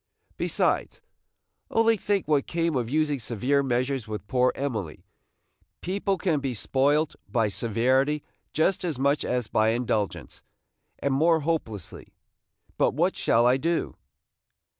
Besides, only think what came of using severe measures with poor Emily! people can be spoilt by severity just as much as by indulgence, and more hopelessly. But what shall I do?"